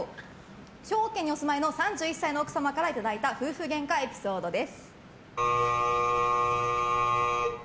兵庫県にお住まいの３１歳の奥様からいただいた夫婦げんかエピソードです。